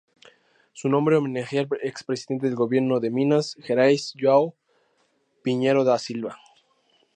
Su nombre homenajea al expresidente del gobierno de Minas Gerais, João Pinheiro da Silva.